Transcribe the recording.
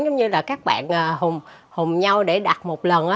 giống như là các bạn hùng nhau để đặt một lần